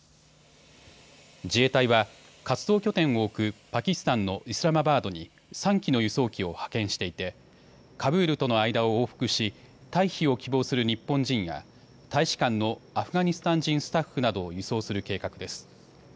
自衛隊は、活動拠点を置くパキスタンのイスラマバードに３機の輸送機を派遣していてカブールとの間を往復し退避を希望する日本人や大使館のアフガニスタン人スタッフなどを輸送する計画です。